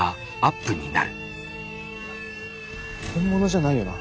本物じゃないよな？